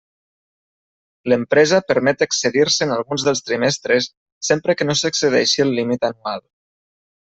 L'empresa permet excedir-se en alguns dels trimestres sempre que no s'excedeixi el límit anual.